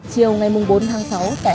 chiều ngày bốn tháng sáu